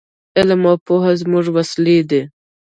علم او پوهه زموږ وسلې دي.